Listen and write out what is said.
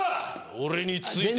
俺について」。